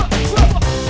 kau harus hafal penuh ya